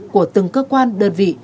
của từng cơ quan đơn vị